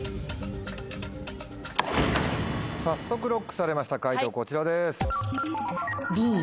早速ＬＯＣＫされました解答こちらです。